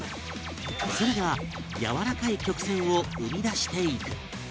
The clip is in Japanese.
それがやわらかい曲線を生みだしていく